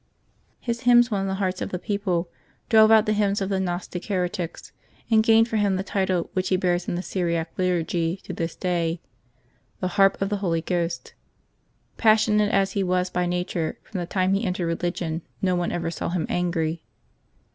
His hymns won the hearts of the people, drove out the hymns of the Gnostic heretics, and gained for him the title which he bears in the Syriac Liturgy to this day — ^^the Harp of the Holy Ghost." Passionate as he was by nature, from the time he entered religion no one ever saw him angry.